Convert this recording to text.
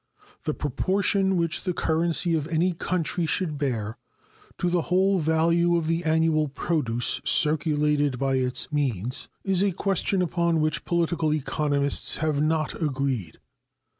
The proportion which the currency of any country should bear to the whole value of the annual produce circulated by its means is a question upon which political economists have not agreed.